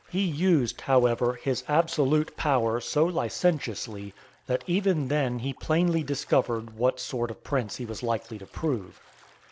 He used, however, his absolute (480) power so licentiously, that even then he plainly discovered what sort of prince he was likely to prove.